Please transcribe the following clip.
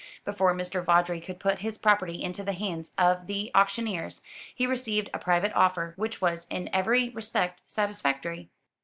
Before Mr. Vawdrey could put his property into the hands of the auctioneers, he received a private offer which was in every respect satisfactory.